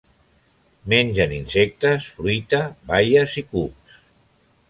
Mengen insectes, fruita, baies i cucs.